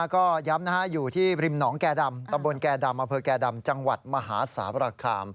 ก็ย้ำอยู่ที่ริมหนองแก่ดำตำบลแก่ดำอำเภอแก่ดำจังหวัดมหาสารคาม